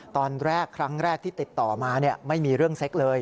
ตอนแรกครั้งแรกที่ติดต่อมาไม่มีเรื่องเซ็กเลย